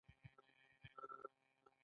د غاښونو د حساسیت لپاره د لونګ تېل وکاروئ